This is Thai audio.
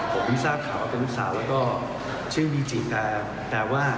ผมไม่ทราบของเขาว่าเป็นลูกสาว